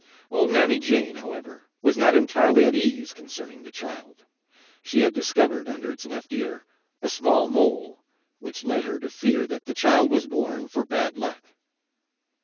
Old Mammy Jane, however, was not entirely at ease concerning the child. She had discovered, under its left ear, a small mole, which led her to fear that the child was born for bad luck.